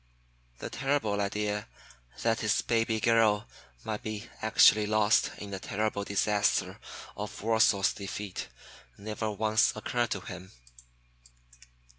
The terrible idea that his baby girl might be actually lost in the terrible disaster of Warsaw's defeat never once occurred to him.